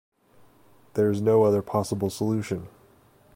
There's no other possible solution.